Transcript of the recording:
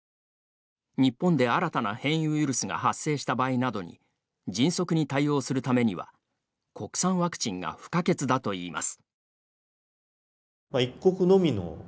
日本で新たな変異ウイルスが発生した場合などに迅速に対応するためには国産ワクチンが不可欠だといいます。